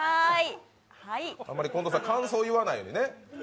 あまり、近藤さん、感想言わないようにね。